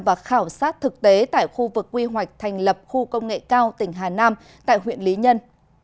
và khảo sát thực tế tại khu vực quy hoạch thành lập khu công nghệ cao tỉnh hà nam tại huyện lý nhân